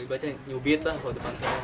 iba iba nyubit lah kalau depan sana